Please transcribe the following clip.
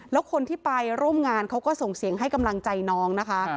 แล้วคนที่ไปร่วมงานเขาก็ส่งเสียงให้กำลังใจน้องนะคะ